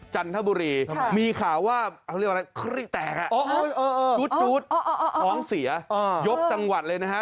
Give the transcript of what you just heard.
จันทบุรีมีข่าวว่าอ๋อจู๊ดอ๋ออยกจังหวัดเลยนะฮะ